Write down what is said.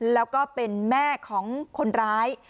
แล้วก็เป็นแม่ของคนร้าย